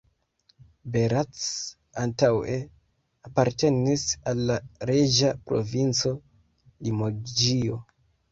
Bellac antaŭe apartenis al la reĝa provinco Limoĝio.